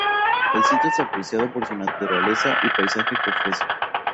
El sitio es apreciado por su naturaleza y paisaje que ofrece.